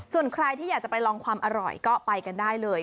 ส่วนใครที่อยากจะไปลองความอร่อยก็ไปกันได้เลย